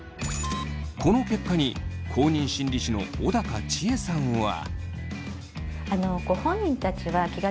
この結果に公認心理師の小高千枝さんは。